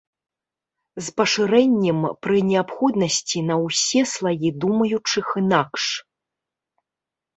З пашырэннем пры неабходнасці на ўсе слаі думаючых інакш.